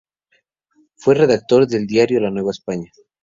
Fue redactor del diario La Nueva España.